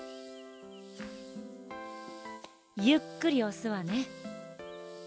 ゆっくりおすわね。